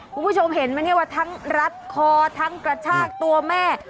คุณผู้ชมเห็นไหมเนี่ยว่าทั้งรัดคอทั้งกระชากตัวแม่